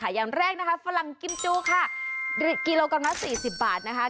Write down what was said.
กันบ้างเลยค่ะอย่างแรกนะคะฝรั่งกินจูกค่ะกิโลกรัมนักสี่สิบบาทนะคะ